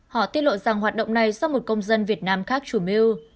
họ tiết lộ rằng hoạt động này do một công dân việt nam khác chủ mưu